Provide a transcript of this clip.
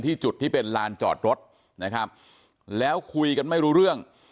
จุดที่เป็นลานจอดรถนะครับแล้วคุยกันไม่รู้เรื่อง